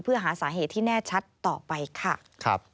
เพื่อหาสาเหตุที่แน่ชัดต่อไปค่ะ